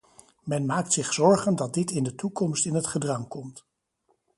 Men maakt zich zorgen dat dit in de toekomst in het gedrang komt.